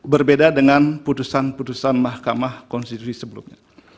berbeda dengan putusan putusan mahkamah konstitusi sebelumnya